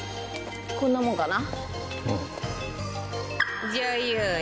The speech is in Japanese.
こんなもんかな？